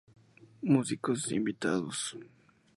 Músicos Invitados